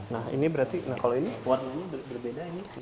nah ini berarti nah kalau ini warnanya berbeda ini